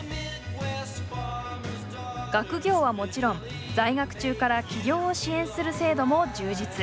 学業はもちろん在学中から起業を支援する制度も充実。